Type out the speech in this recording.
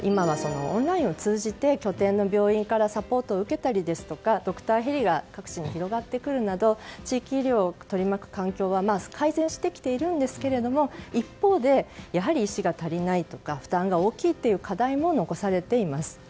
今はオンラインを通じて拠点の病院からサポートを受けたりドクターヘリが各地に広がるなど地域医療を取り巻く環境は改善してきているんですけれども一方でやはり医師が足りないとか負担が大きいという課題も残されています。